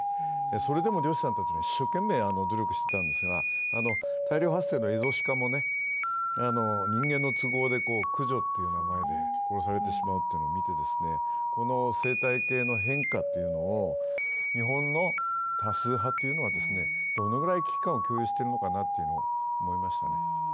それでも漁師さんたちは一生懸命努力していたんですが、大量発生のエゾシカも人間の都合で駆除という名前で殺されてしまうのを見てこの生態系の変化というのを日本の多数派というのは、どのぐらい危機感を共有しているのかなと思いましたね。